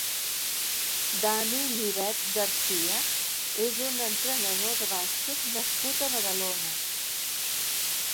Dani Miret Garcia és un entrenador de bàsquet nascut a Badalona.